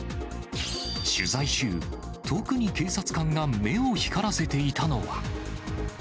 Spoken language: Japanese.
取材中、特に警察官が目を光らせていたのは。